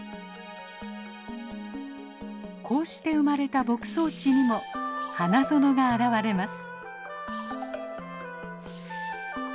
こうして生まれた牧草地にも花園が現れます。